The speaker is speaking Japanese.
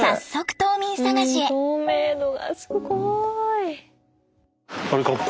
透明度がすごい！